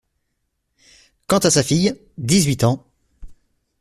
Quant à sa fille… dix-huit ans…